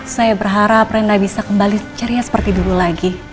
saya berharap renda bisa kembali ceria seperti dulu lagi